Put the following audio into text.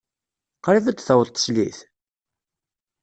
Qrib ad d-taweḍ teslit?